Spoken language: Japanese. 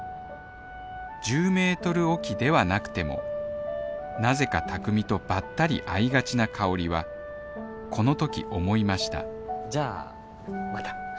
１０メートルおきではなくてもなぜか卓海とばったり会いがちな香はこの時思いましたじゃあまた。